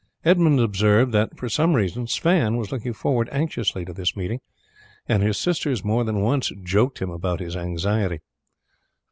Edmund observed that for some reason Sweyn was looking forward anxiously to this meeting, and his sisters more than once joked him about his anxiety.